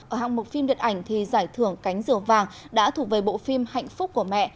ở hạng mục phim điện ảnh thì giải thưởng cánh diều vàng đã thuộc về bộ phim hạnh phúc của mẹ